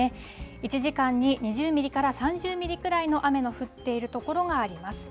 １時間に２０ミリから３０ミリぐらいの雨が降っているところがあります。